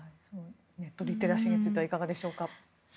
ネットリテラシーについては、いかがでしょうか。